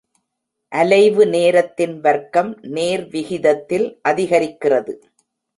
அலைவு நேரத்தின் வர்க்கம் நேர் விகிதத்தில் அதிகரிக்கிறது.